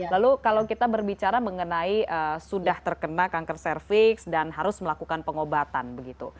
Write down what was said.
lalu kalau kita berbicara mengenai sudah terkena kanker cervix dan harus melakukan pengobatan begitu